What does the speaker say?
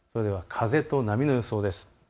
風と波の予想です。